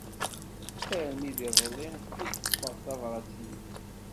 Armi d iḍelli i ṭṭfeɣ tabrat-im.